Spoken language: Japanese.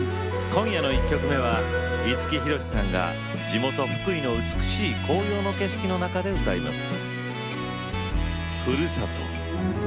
今夜の１曲目は五木ひろしさんが地元・福井の美しい紅葉の景色の中で歌います。